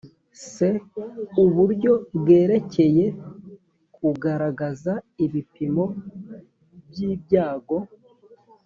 c uburyo bwerekeye kugaragaza ibipimo by ibyago